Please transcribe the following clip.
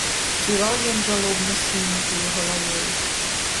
Ківаў ён жалобна сівенькаю галавою.